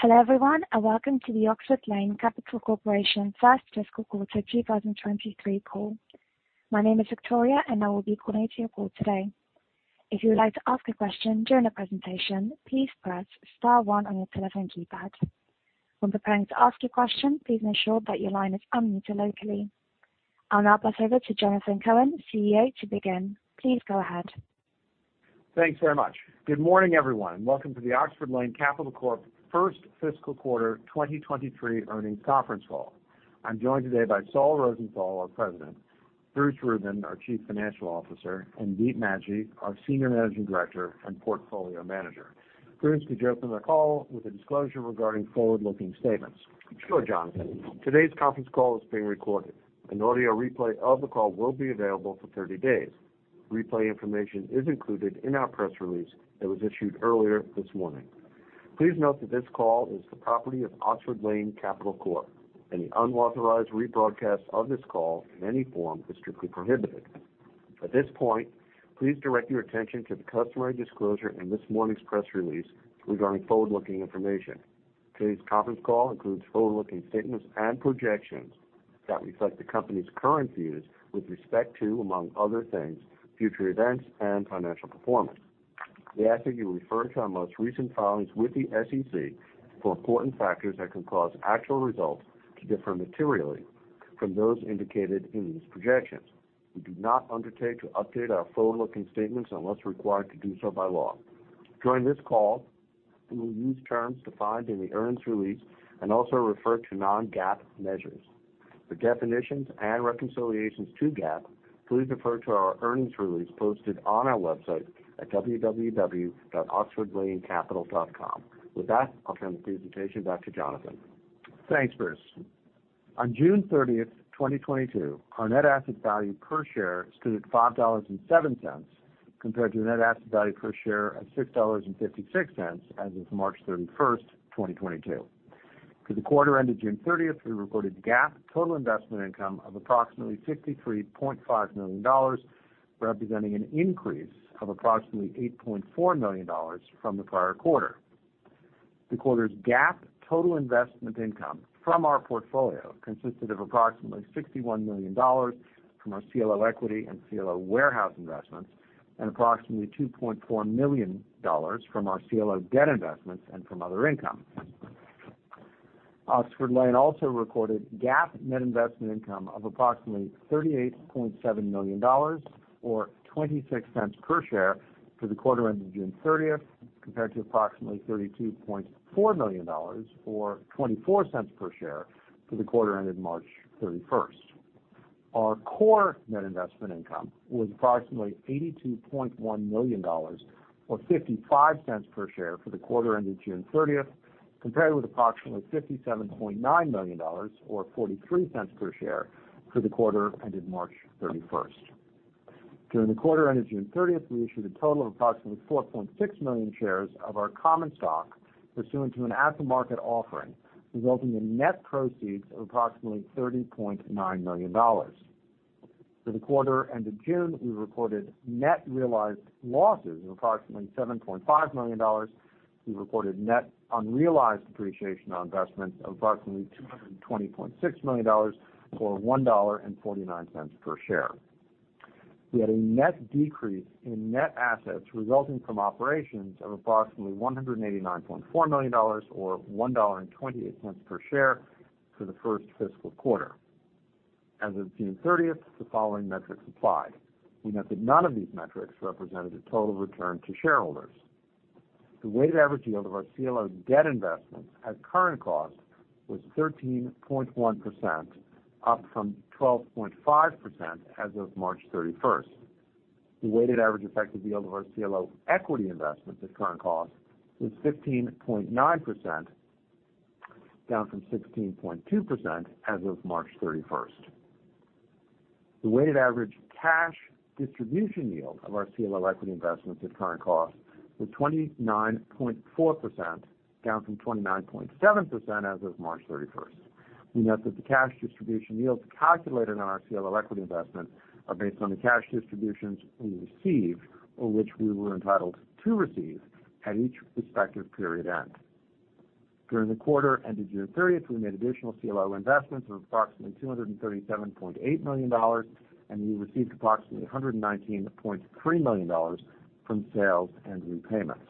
Hello, everyone, and welcome to the Oxford Lane Capital Corp. first fiscal quarter 2023 call. My name is Victoria and I will be coordinating your call today. If you would like to ask a question during the presentation, please press star one on your telephone keypad. When preparing to ask a question, please ensure that your line is unmuted locally. I'll now pass over to Jonathan Cohen, CEO, to begin. Please go ahead. Thanks very much. Good morning, everyone. Welcome to the Oxford Lane Capital Corp first fiscal quarter 2023 earnings conference call. I'm joined today by Saul Rosenthal, our President, Bruce Rubin, our Chief Financial Officer, and Debdeep Maji, our Senior Managing Director and Portfolio Manager. Bruce, could you open the call with a disclosure regarding forward-looking statements? Sure, Jonathan. Today's conference call is being recorded. An audio replay of the call will be available for 30 days. Replay information is included in our press release that was issued earlier this morning. Please note that this call is the property of Oxford Lane Capital Corp. Any unauthorized rebroadcast of this call in any form is strictly prohibited. At this point, please direct your attention to the customary disclosure in this morning's press release regarding forward-looking information. Today's conference call includes forward-looking statements and projections that reflect the company's current views with respect to, among other things, future events and financial performance. We ask that you refer to our most recent filings with the SEC for important factors that can cause actual results to differ materially from those indicated in these projections. We do not undertake to update our forward-looking statements unless required to do so by law. During this call, we will use terms defined in the earnings release and also refer to non-GAAP measures. For definitions and reconciliations to GAAP, please refer to our earnings release posted on our website at www.oxfordlanecapital.com. With that, I'll turn the presentation back to Jonathan. Thanks, Bruce. On June 30th, 2022, our net asset value per share stood at $5.07 compared to a net asset value per share at $6.56 as of March 31st, 2022. For the quarter ended June 30th, we reported GAAP total investment income of approximately $53.5 million, representing an increase of approximately $8.4 million from the prior quarter. The quarter's GAAP total investment income from our portfolio consisted of approximately $61 million from our CLO equity and CLO warehouse investments and approximately $2.4 million from our CLO debt investments and from other income. Oxford Lane also recorded GAAP net investment income of approximately $38.7 million or $0.26 per share for the quarter ended June 30, compared to approximately $32.4 million or $0.24 per share for the quarter ended March 31. Our core net investment income was approximately $82.1 million or $0.55 per share for the quarter ended June 30, compared with approximately $57.9 million or $0.43 per share for the quarter ended March 31. During the quarter ended June 30, we issued a total of approximately 4.6 million shares of our common stock pursuant to an at-the-market offering, resulting in net proceeds of approximately $30.9 million. For the quarter ended June, we reported net realized losses of approximately $7.5 million. We reported net unrealized appreciation on investments of approximately $200.6 million or $1.49 per share. We had a net decrease in net assets resulting from operations of approximately $189.4 million or $1.28 per share for the first fiscal quarter. As of June 30, the following metrics applied. We note that none of these metrics represented a total return to shareholders. The weighted average yield of our CLO debt investments at current cost was 13.1%, up from 12.5% as of March 31. The weighted average effective yield of our CLO equity investments at current cost was 15.9%, down from 16.2% as of March 31. The weighted average cash distribution yield of our CLO equity investments at current cost was 29.4%, down from 29.7% as of March 31st. We note that the cash distribution yields calculated on our CLO equity investment are based on the cash distributions we received or which we were entitled to receive at each respective period end. During the quarter ended June 30th, we made additional CLO investments of approximately $237.8 million, and we received approximately $119.3 million from sales and repayments.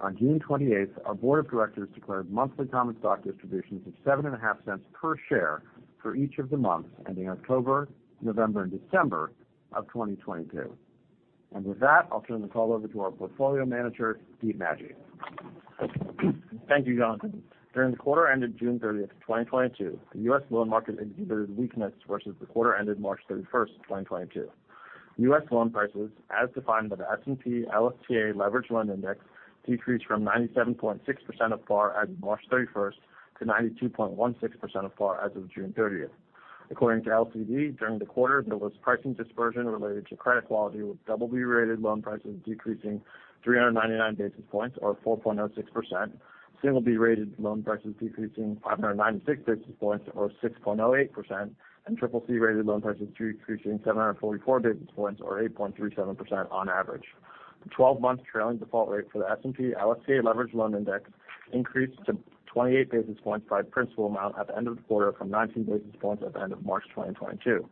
On June 28th, our board of directors declared monthly common stock distributions of $0.075 per share for each of the months ending October, November, and December of 2022. With that, I'll turn the call over to our portfolio manager, Debdeep Maji. Thank you, Jonathan. During the quarter ended June 30, 2022, the U.S. loan market exhibited weakness versus the quarter ended March 31, 2022. U.S. loan prices, as defined by the S&P/LSTA Leveraged Loan Index, decreased from 97.6% of par as of March 31st to 92.16% of par as of June 30th. According to LCD, during the quarter, there was pricing dispersion related to credit quality, with double B-rated loan prices decreasing 399 basis points or 4.06%. Single-B rated loan prices decreasing 596 basis points or 6.08%, and triple-C rated loan prices decreasing 744 basis points or 8.37% on average. The twelve-month trailing default rate for the S&P/LSTA Leveraged Loan Index increased to 28 basis points by principal amount at the end of the quarter from 19 basis points at the end of March 2022.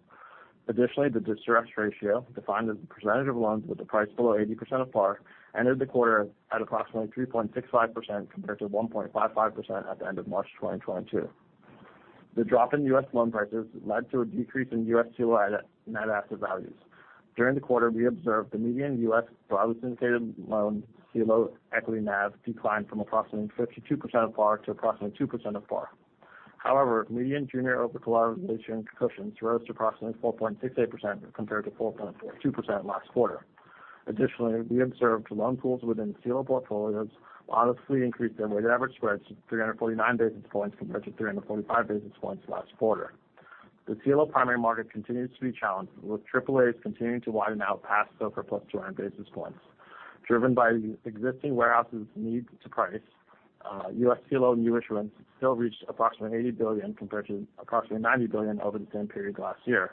Additionally, the distressed ratio, defined as the percentage of loans with a price below 80% of par, ended the quarter at approximately 3.65% compared to 1.55% at the end of March 2022. The drop in U.S. loan prices led to a decrease in U.S. CLOs' net asset values. During the quarter, we observed the median U.S. CLO equity NAV declined from approximately 52% of par to approximately 2% of par. However, median junior overcollateralization cushion rose to approximately 4.68% compared to 4.2% last quarter. Additionally, we observed loan pools within CLO portfolios modestly increased their weighted average spreads to 349 basis points compared to 345 basis points last quarter. The CLO primary market continues to be challenged, with triple-A's continuing to widen out past 200+ basis points. Driven by existing warehouses need to price, U.S. CLO new issuance still reached approximately $80 billion compared to approximately $90 billion over the same period last year.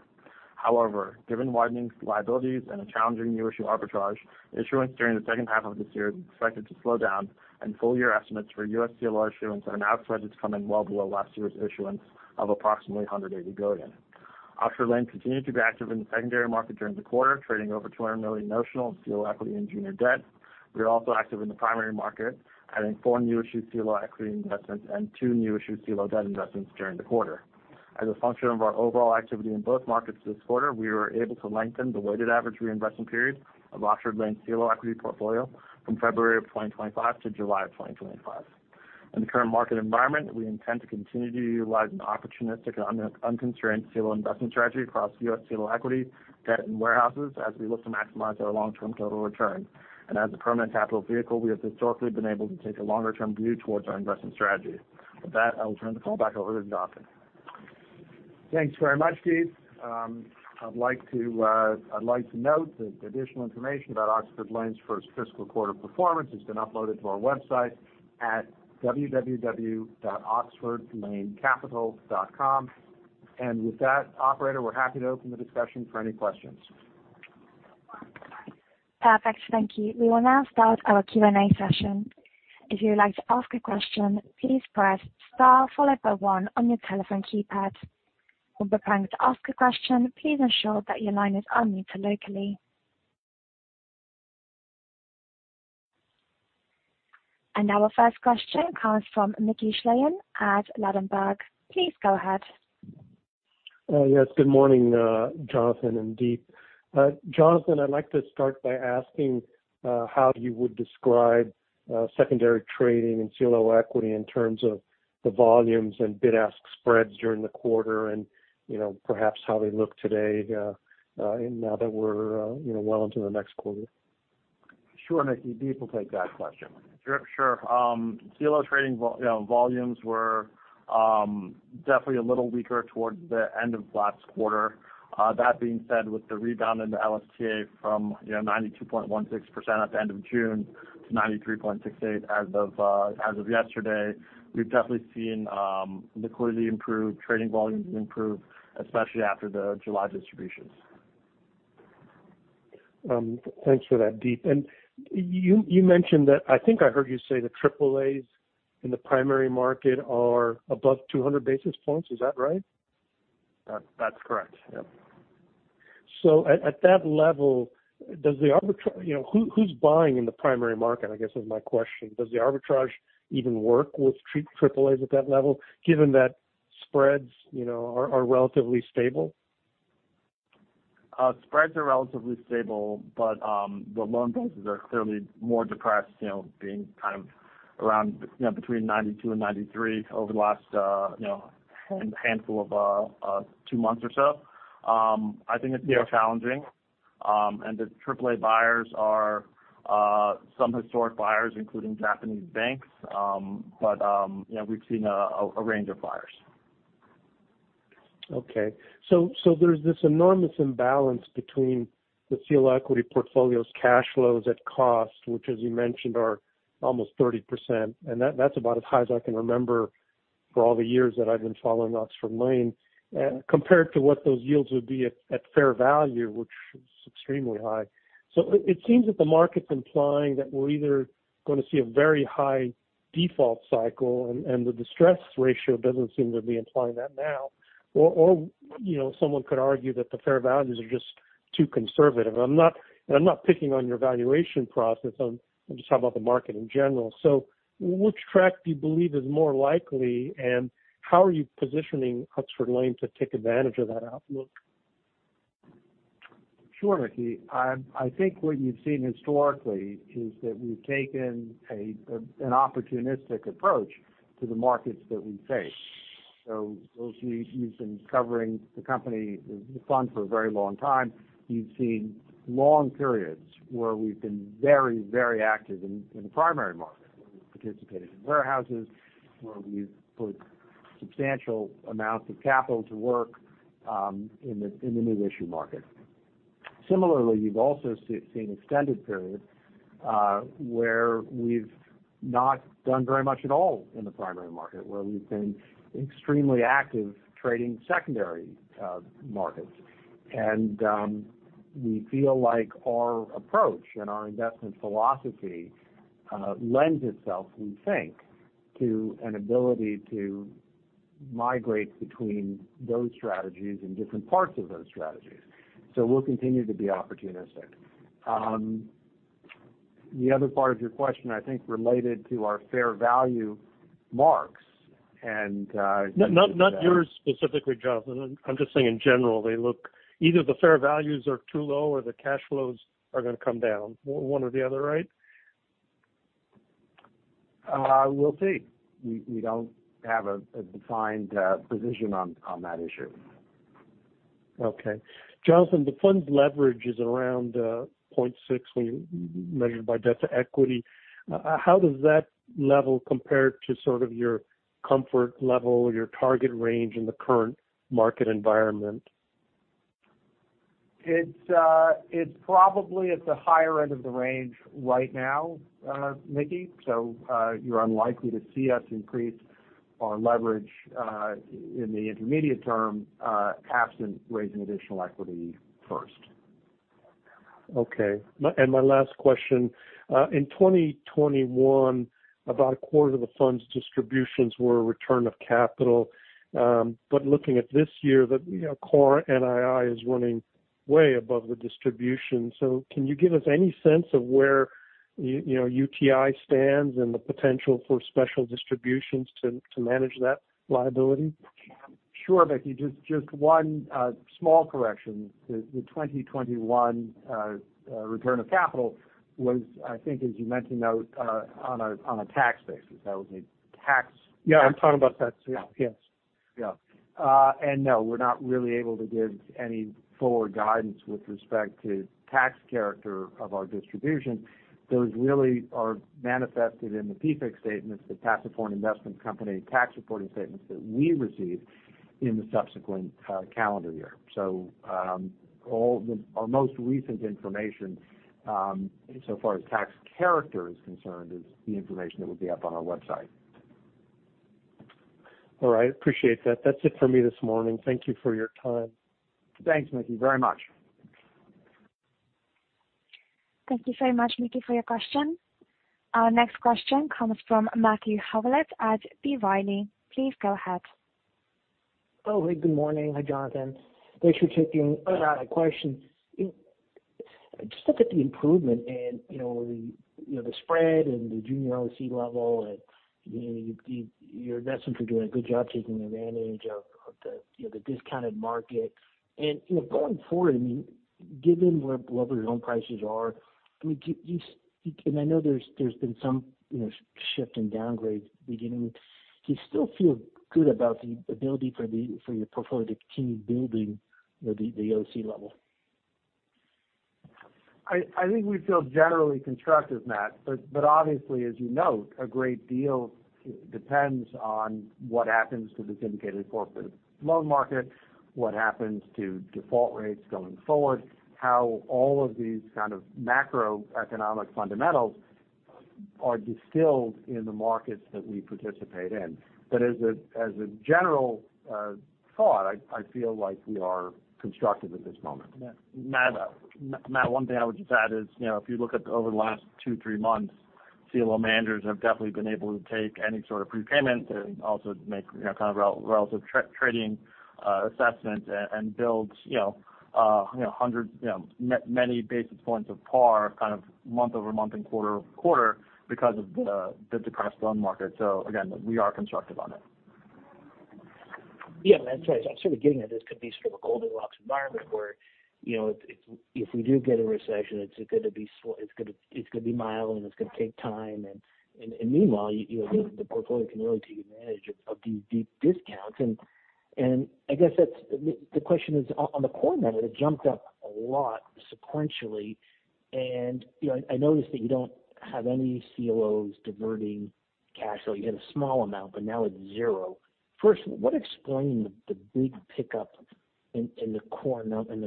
However, given widening liabilities and a challenging new issue arbitrage, issuance during the second half of this year is expected to slow down, and full year estimates for U.S. CLO issuance are now expected to come in well below last year's issuance of approximately $180 billion. Oxford Lane continued to be active in the secondary market during the quarter, trading over $200 million notional in CLO equity and junior debt. We are also active in the primary market, having four new issue CLO equity investments and two new issue CLO debt investments during the quarter. As a function of our overall activity in both markets this quarter, we were able to lengthen the weighted average reinvestment period of Oxford Lane CLO equity portfolio from February of 2025 to July of 2025. In the current market environment, we intend to continue to utilize an opportunistic and unconstrained CLO investment strategy across U.S. CLO equity, debt, and warehouses as we look to maximize our long-term total return. As a permanent capital vehicle, we have historically been able to take a longer term view towards our investment strategy. With that, I will turn the call back over to Jonathan. Thanks very much, Deep. I'd like to note that the additional information about Oxford Lane's first fiscal quarter performance has been uploaded to our website at www.oxfordlanecapital.com. With that, operator, we're happy to open the discussion for any questions. Perfect. Thank you. We will now start our Q&A session. If you would like to ask a question, please press star followed by one on your telephone keypad. When preparing to ask a question, please ensure that your line is unmuted locally. Now our first question comes from Mickey Schleien at Ladenburg Thalmann. Please go ahead. Yes. Good morning, Jonathan and Deep. Jonathan, I'd like to start by asking how you would describe secondary trading in CLO equity in terms of the volumes and bid-ask spreads during the quarter and, you know, perhaps how they look today, now that we're, you know, well into the next quarter. Sure, Mickey. Deep will take that question. Sure. CLO trading volumes were definitely a little weaker towards the end of last quarter. That being said, with the rebound in the LSTA from, you know, 92.16% at the end of June to 93.68% as of yesterday, we've definitely seen liquidity improve, trading volumes improve, especially after the July distributions. Thanks for that, Deep. You mentioned that. I think I heard you say the triple A's in the primary market are above 200 basis points. Is that right? That, that's correct. Yep. At that level, you know, who's buying in the primary market, I guess is my question. Does the arbitrage even work with triple A's at that level given that spreads, you know, are relatively stable? Spreads are relatively stable, but the loan prices are clearly more depressed, you know, being kind of around between 92%-93% over the last handful of two months or so. I think it's been challenging. The triple-A buyers are some historic buyers, including Japanese banks. You know, we've seen a range of buyers. Okay. There's this enormous imbalance between the CLO equity portfolio's cash flows at cost, which, as you mentioned, are almost 30%, and that's about as high as I can remember for all the years that I've been following Oxford Lane, compared to what those yields would be at fair value, which is extremely high. It seems that the market's implying that we're either gonna see a very high default cycle, and the distressed ratio doesn't seem to be implying that now, or, you know, someone could argue that the fair values are just too conservative. I'm not picking on your valuation process. I'm just talking about the market in general. Which track do you believe is more likely, and how are you positioning Oxford Lane to take advantage of that outlook? Sure, Mickey. I think what you've seen historically is that we've taken an opportunistic approach to the markets that we face. Those of you who've been covering the company, the fund for a very long time, you've seen long periods where we've been very active in the primary market, where we've participated in warehouses, where we've put substantial amounts of capital to work in the new issue market. Similarly, you've also seen extended periods where we've not done very much at all in the primary market, where we've been extremely active trading secondary markets. We feel like our approach and our investment philosophy lends itself, we think, to an ability to migrate between those strategies and different parts of those strategies. We'll continue to be opportunistic. The other part of your question, I think, related to our fair value marks, and you said that. Not, not yours specifically, Jonathan. I'm just saying in general, they look, either the fair values are too low or the cash flows are gonna come down, one or the other, right? We'll see. We don't have a defined position on that issue. Okay. Jonathan, the fund's leverage is around 0.6 when you measure by debt to equity. How does that level compare to sort of your comfort level or your target range in the current market environment? It's probably at the higher end of the range right now, Mickey. You're unlikely to see us increase our leverage in the intermediate term, absent raising additional equity first. Okay. My last question. In 2021, about a quarter of the fund's distributions were a return of capital. Looking at this year, you know, core NII is running way above the distribution. Can you give us any sense of where you know, UTI stands and the potential for special distributions to manage that liability? Sure, Mickey. Just one small correction. The 2021 return of capital was, I think as you mentioned, out on a tax basis. That was a tax. Yeah, I'm talking about that. Yeah. Yes. Yeah. No, we're not really able to give any forward guidance with respect to tax character of our distribution. Those really are manifested in the PFIC statements, the Passive Foreign Investment Company tax reporting statements that we receive in the subsequent calendar year. Our most recent information, so far as tax character is concerned, is the information that would be up on our website. All right. Appreciate that. That's it for me this morning. Thank you for your time. Thanks, Mickey, very much. Thank you very much, Mickey, for your question. Our next question comes from Matthew Howlett at B. Riley. Please go ahead. Oh, hey, good morning. Hi, Jonathan. Thanks for taking my question. You just look at the improvement and you know the spread and the junior OC level, and you're definitely doing a good job taking advantage of you know the discounted market. You know, going forward, I mean, given where leveraged loan prices are, I mean, and I know there's been some you know shift in downgrade beginning. Do you still feel good about the ability for your portfolio to continue building the OC level? I think we feel generally constructive, Matt, but obviously, as you note, a great deal depends on what happens to the syndicated corporate loan market, what happens to default rates going forward, how all of these kind of macroeconomic fundamentals are distilled in the markets that we participate in. As a general thought, I feel like we are constructive at this moment. Matt, one thing I would just add is, you know, if you look at over the last 2-3 months, CLO managers have definitely been able to take any sort of prepayment and also make, you know, kind of relative trading assessment and build, you know, 100, you know, many basis points of par kind of month-over-month and quarter-over-quarter because of the depressed loan market. Again, we are constructive on it. Yeah, that's right. I'm sort of getting at this could be sort of a Goldilocks environment where, you know, it if we do get a recession, it's gonna be slow, it's gonna be mild and it's gonna take time. Meanwhile, you know, the portfolio can really take advantage of these deep discounts. I guess that's the question is on the core measure, it jumped up a lot sequentially. You know, I notice that you don't have any CLOs diverting cash flow. You had a small amount, but now it's zero. First, what explained the big pickup in the core number?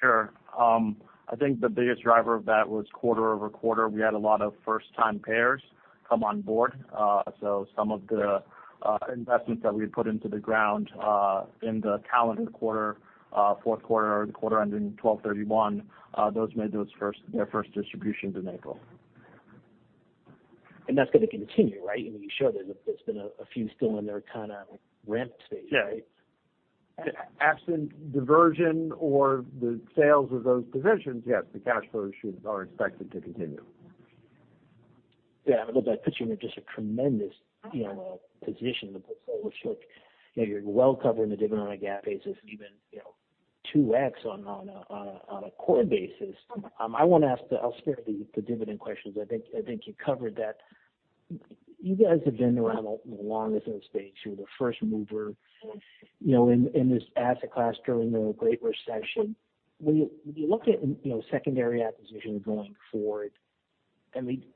Sure. I think the biggest driver of that was quarter-over-quarter, we had a lot of first-time payers come on board. Some of the investments that we put on the ground in the calendar quarter, fourth quarter or the quarter ending 12/31, those made those first- Yeah. their first distributions in April. That's gonna continue, right? I mean, you showed there's been a few still in their kinda like ramp stage, right? Yeah. Absent diversion or the sales of those positions, yes, the cash flows are expected to continue. Yeah. I mean, look, that puts you in just a tremendous, you know, position in the portfolio. So, you know, you're well covered on a dividend on a GAAP basis and even, you know, 2x on a core basis. I'll spare the dividend questions. I think you covered that. You guys have been around the longest in this space. You're the first mover, you know, in this asset class during the Great Recession. When you look at, you know, secondary acquisitions going forward,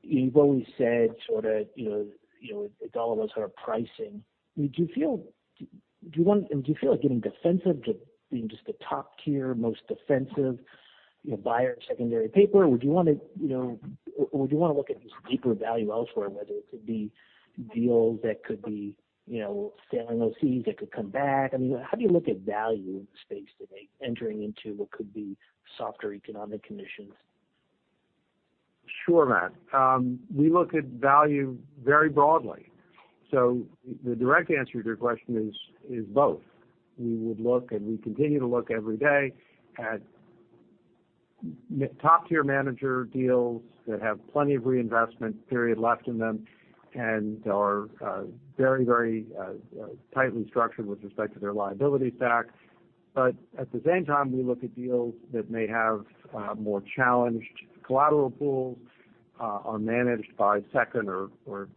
you've always said sort of, you know, it's all about sort of pricing. Do you feel like getting defensive to being just the top tier, most defensive, you know, buyer in secondary paper? Would you wanna, you know, or would you wanna look at these deeper value elsewhere, whether it could be deals that could be, you know, sailing those seas that could come back? I mean, how do you look at value in the space today entering into what could be softer economic conditions? Sure, Matt. We look at value very broadly. The direct answer to your question is both. We would look and we continue to look every day at top-tier manager deals that have plenty of reinvestment period left in them and are very tightly structured with respect to their liability stack. At the same time, we look at deals that may have more challenged collateral pools, are managed by second or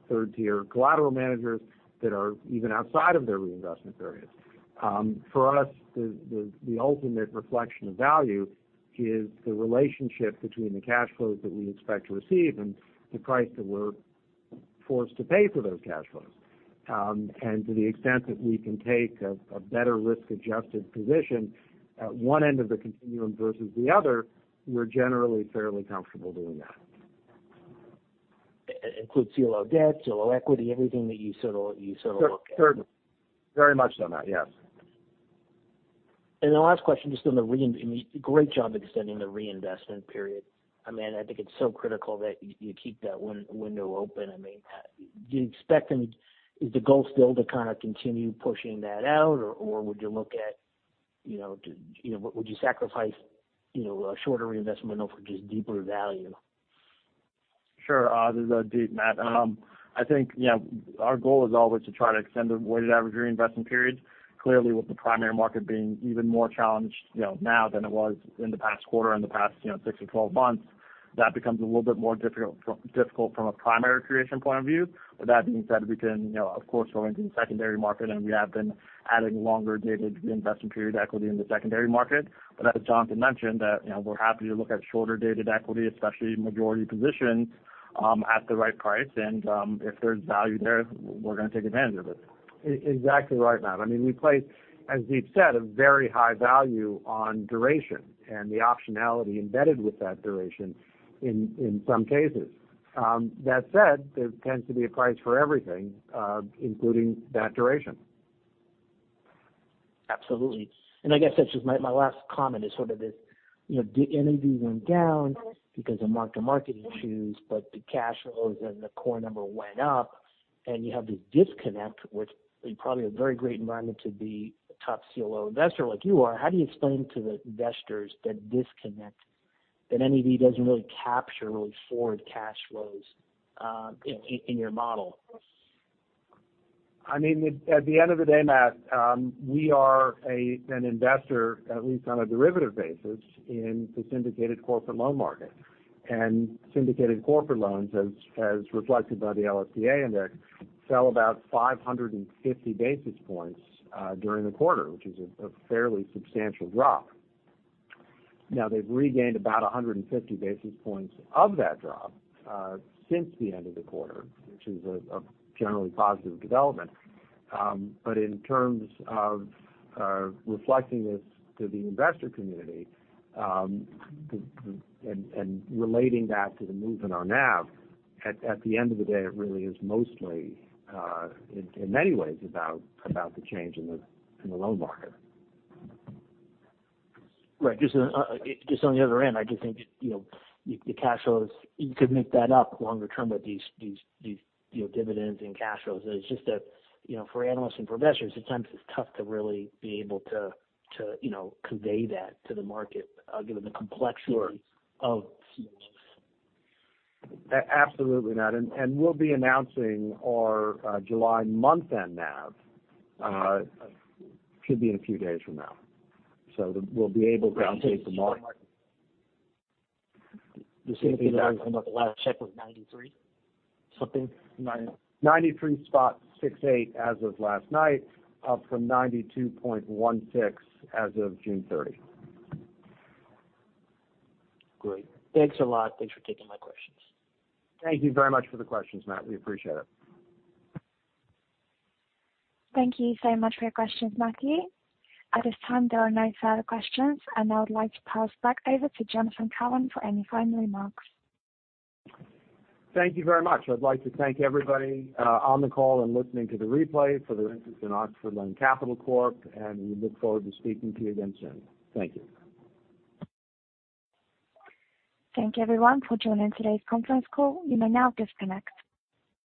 third tier collateral managers that are even outside of their reinvestment periods. For us, the ultimate reflection of value is the relationship between the cash flows that we expect to receive and the price that we're forced to pay for those cash flows. To the extent that we can take a better risk-adjusted position at one end of the continuum versus the other, we're generally fairly comfortable doing that. Includes CLO debt, CLO equity, everything that you sort of look at. Sure. Very much so, Matt. Yes. The last question, just on the. I mean, great job extending the reinvestment period. I mean, I think it's so critical that you keep that window open. I mean, do you expect any? Is the goal still to kinda continue pushing that out, or would you look at, you know, you know, would you sacrifice, you know, a shorter reinvestment window for just deeper value? Sure. This is, Debdeep, Matthew. I think, you know, our goal is always to try to extend the weighted average reinvestment periods. Clearly, with the primary market being even more challenged, you know, now than it was in the past quarter, in the past, you know, six or twelve months, that becomes a little bit more difficult from a primary creation point of view. That being said, we can, you know, of course, go into the secondary market, and we have been adding longer-dated reinvestment period equity in the secondary market. As Jonathan mentioned that, you know, we're happy to look at shorter-dated equity, especially majority positions, at the right price. If there's value there, we're gonna take advantage of it. Exactly right, Matt. I mean, we place, as Deep said, a very high value on duration and the optionality embedded with that duration in some cases. That said, there tends to be a price for everything, including that duration. Absolutely. I guess that's just my last comment is sort of this, you know, the NAV went down because of mark-to-market issues, but the cash flows and the core number went up, and you have this disconnect, which is probably a very great environment to be a top CLO investor like you are. How do you explain to the investors that disconnect that NAV doesn't really capture really forward cash flows, in your model? I mean, at the end of the day, Matt, we are an investor, at least on a derivative basis, in the syndicated corporate loan market. Syndicated corporate loans, as reflected by the LSTA index, fell about 550 basis points during the quarter, which is a fairly substantial drop. Now, they've regained about 150 basis points of that drop since the end of the quarter, which is a generally positive development. But in terms of reflecting this to the investor community, relating that to the move in our NAV, at the end of the day, it really is mostly, in many ways about the change in the loan market. Right. Just on the other end, I just think, you know, the cash flows, you could make that up longer term with these, you know, dividends and cash flows. It's just that, you know, for analysts and investors, sometimes it's tough to really be able to you know, convey that to the market, given the complexity. Sure. Of CLOs. Absolutely, Matt. We'll be announcing our July month-end NAV in a few days from now. We'll be able to update the market. The last check was 93 something. 93.68 as of last night, up from 92.16 as of June 30. Great. Thanks a lot. Thanks for taking my questions. Thank you very much for the questions, Matt. We appreciate it. Thank you so much for your questions, Matthew. At this time, there are no further questions, and I would like to pass back over to Jonathan Cohen for any final remarks. Thank you very much. I'd like to thank everybody on the call and listening to the replay for their interest in Oxford Lane Capital Corp., and we look forward to speaking to you again soon. Thank you. Thank you, everyone, for joining today's conference call. You may now disconnect.